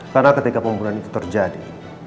karena ketika pembunuhan itu terjadi